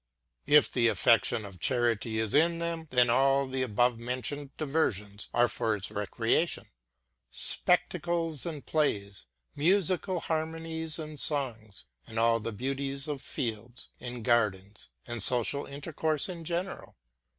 ... If the affection of charity is in them, then all the above mentioned diversions are for its recreation, ŌĆö spectacles and plays, musical harmonies and songs, and all the beauties of fields and gardens, and social intercourse in general.